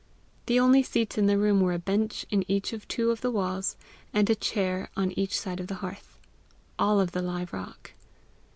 The only seats in the room were a bench in each of two of the walls, and a chair on each side of the hearth, all of the live rock.